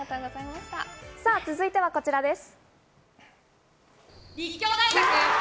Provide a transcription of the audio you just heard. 続いてはこちらです。